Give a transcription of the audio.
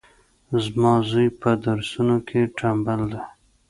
زما زوی پهدرسونو کي ټمبل دی